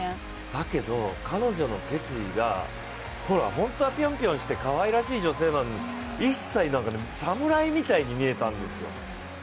だけど彼女の決意が本当はピョンピョンしてかわいらしい女性なの一切、なんかね侍みたいに見えたんですよ。